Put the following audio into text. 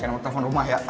kan nomor telepon rumah ya